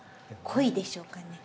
恋でしょうかね。